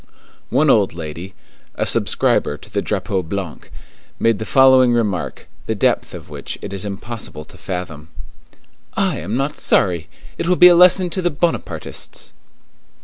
One old lady, a subscriber to the Drapeau Blanc, made the following remark, the depth of which it is impossible to fathom:— "I am not sorry. It will be a lesson to the Bonapartists!"